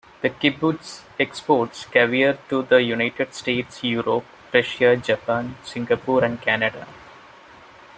The kibbutz exports caviar to the United States, Europe, Russia, Japan, Singapore and Canada.